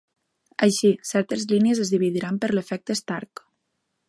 Així, certes línies es dividiran per l'efecte Stark.